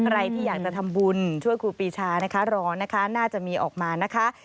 ใครที่อยากจะทำบุญช่วยครูปีชานะคะรอนะคะน่าจะมีออกมานะคะ